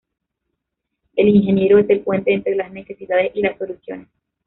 El ingeniero es el puente entre las necesidades y las soluciones.